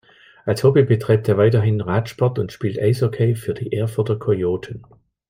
Als Hobby betreibt er weiterhin Radsport und spielt Eishockey für die „Erfurter Kojoten“.